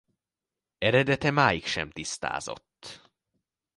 Eredete máig sem tisztázott.